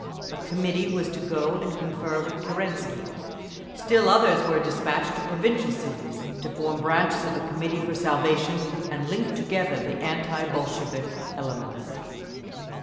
a committee was to go and confer with Kerensky; still others were despatched to provincial cities, to form branches of the Committee for Salvation, and link together the anti Bolshevik elements.